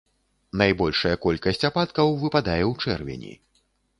Найбольшая колькасць ападкаў выпадае ў чэрвені.